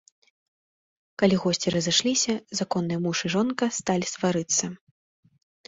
Калі госці разышліся, законныя муж і жонка сталі сварыцца.